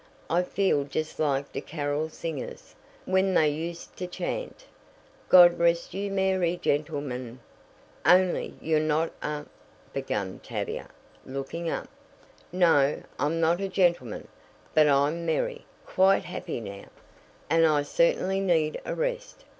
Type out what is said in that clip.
"I feel just like the carol singers, when they used to chant: 'God rest you, merry gentlemen '" "Only you're not a " began Tavia, looking up. "No, I'm not a gentleman, but I'm merry quite happy now, and I certainly need a rest.